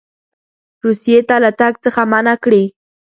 روسیې ته له تګ څخه منع کړي.